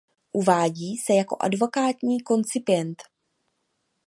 Uvádí se jako advokátní koncipient.